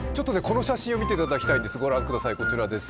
この写真を見ていただきたいんですご覧ください